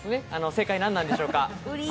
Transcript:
正解はなんなんでしょうか。